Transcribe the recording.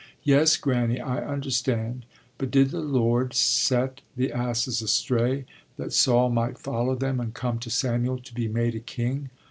Yes, Granny, I understand: but did the Lord set the asses astray that Saul might follow them and come to Samuel to be made a King?